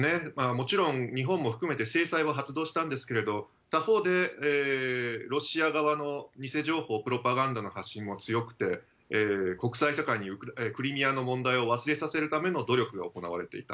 もちろん、日本も含めて制裁は発動したんですけれど、他方でロシア側の偽情報、プロパガンダの発信も強くて、国際社会にクリミアの問題を忘れさせるための努力が行われていた。